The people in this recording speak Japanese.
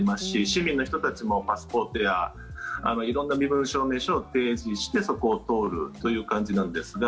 市民の人たちもパスポートや色んな身分証明書を提示して、そこを通るという感じなんですが。